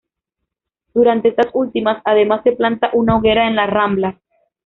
Durante estas últimas, además, se planta una hoguera en la rambla.